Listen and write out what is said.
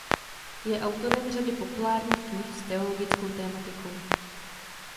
Je autorem řady populárních knih s teologickou tematikou.